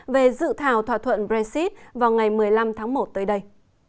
về dự thảo thỏa thuận brexit vào ngày một mươi năm tháng một tới đây